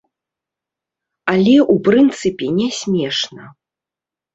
Але, у прынцыпе, не смешна.